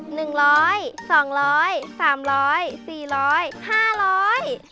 หนึ่งร้อยสองร้อยสามร้อยสี่ร้อยห้าร้อย